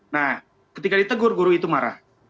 nah ketika ditegur guru itu marah